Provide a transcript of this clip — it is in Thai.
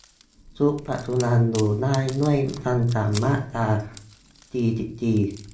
ชุดปัจจุบัน อยู่ได้ด้วยคำสั่งมาตรา สี่สิบสี่